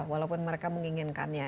walaupun mereka menginginkannya